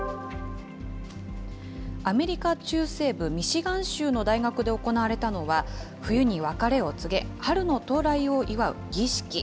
アメリカ中西部ミシガン州の大学で行われたのは、冬に別れを告げ、春の到来を祝う儀式。